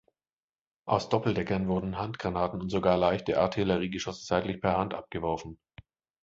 Aus Doppeldeckern wurden Handgranaten und sogar leichte Artilleriegeschosse seitlich per Hand abgeworfen.